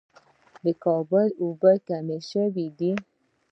د کابل اوبه کمې شوې دي